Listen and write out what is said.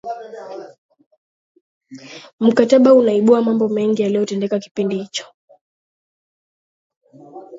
mkataba unaibua mambo mengi yaliyotendeka kipindi hicho